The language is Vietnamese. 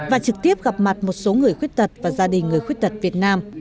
và trực tiếp gặp mặt một số người khuyết tật và gia đình người khuyết tật việt nam